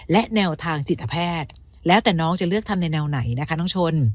และแนวทางจิตแพทย์แล้วแต่น้องจะเลือกทำในแนวไหนนะคะน้องชน